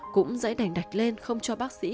cũng dãy đành đạch lên không cho bác sĩ